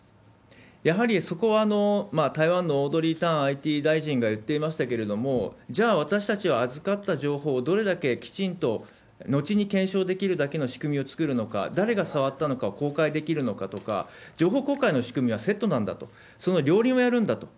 やはりそこは台湾のオードリー・タンＩＴ大臣が言っていましたけれども、じゃあ、私たちは預かった情報をどれだけきちんと、後に検証できるだけの仕組みを作るのか、誰が触ったのかを公開できるのかとか、情報公開の仕組みはセットなんだと、その両輪をやるんだと。